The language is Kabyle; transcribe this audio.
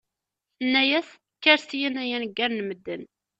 Tenna-yas kker syin ay aneggar n medden!